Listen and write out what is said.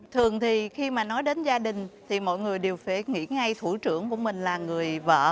thường thì khi mà nói đến gia đình thì mọi người đều phải nghĩ ngay thủ trưởng của mình là người vợ